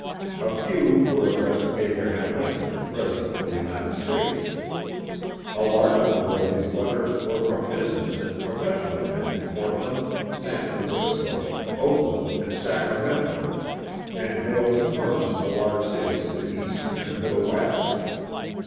A few were addressed to Abraham Lincoln, President of the United States. A large number of these letters were from business and professional men in Portland, San Francisco, Oakland, and Sacramento, and mailed to firms in the large cities of the East and Middle West.